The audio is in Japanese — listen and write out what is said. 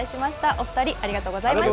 お２人、ありがとうございました。